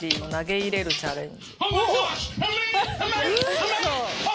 入れるチャレンジ。